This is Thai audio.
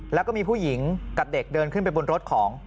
แล้วก็มีผู้หญิงกับเด็กเดินขึ้นไปบนรถของ